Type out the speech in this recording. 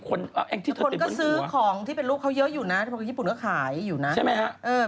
คนก็ซื้อของที่เป็นลูกเขาเยอะอยู่นะญี่ปุ่นก็ขายอยู่นะใช่ไหมครับ